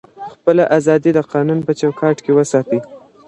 خپله ازادي د قانون په چوکاټ کي وساتئ.